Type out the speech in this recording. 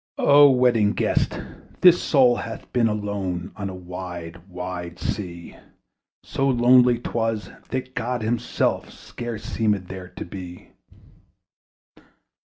O Wedding Guest! this soul hath been Alone on a wide wide sea: So lonely 'twas, that God himself Scarce seemed there to be.